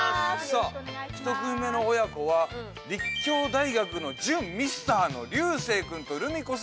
さあ１組目の親子は立教大学の準ミスターの龍生君とルミ子さん親子です。